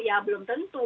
ya belum tentu